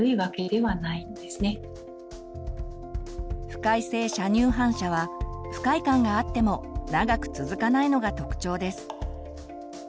不快性射乳反射は不快感があっても長く続かないのが特徴です。